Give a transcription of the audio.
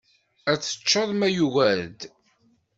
Ad teččeḍ ma yugar-d!